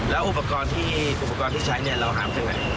แล้วอุปกรณ์ที่ใช้เราหาไปที่ไหน